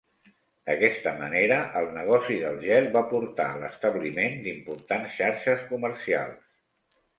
D'aquesta manera el negoci del gel va portar a l'establiment d'importants xarxes comercials.